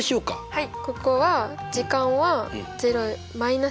はい。